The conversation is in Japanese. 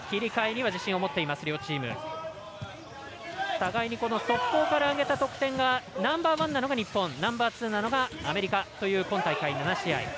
互いに速攻から挙げた得点がナンバーワンなのが日本ナンバーツーなのがアメリカという今大会７試合。